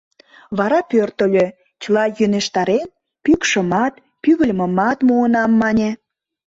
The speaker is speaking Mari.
Вара пӧртыльӧ, чыла йӧнештарен: пӱкшымат, пӱгыльмымат муынам, мане.